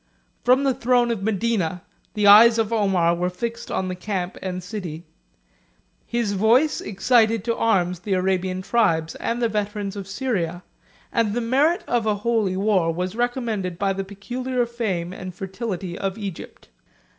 From the throne of Medina, the eyes of Omar were fixed on the camp and city: his voice excited to arms the Arabian tribes and the veterans of Syria; and the merit of a holy war was recommended by the peculiar fame and fertility of Egypt.